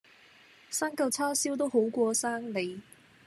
生舊叉燒都好過生你